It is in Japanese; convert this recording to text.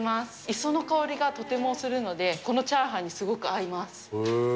磯の香りがとてもするので、このチャーハンにすごく合います。